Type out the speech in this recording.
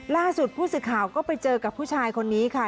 ล่าสุดผู้สื่อข่าวก็ไปเจอกับผู้ชายคนนี้ค่ะ